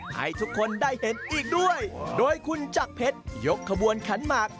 ให้ทุกคนได้เห็นอีกด้วยโดยคุณจักรเพชรยกขบวนขันหมาก